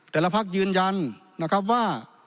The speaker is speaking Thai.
แต่ละพักยืนยันนะครับว่า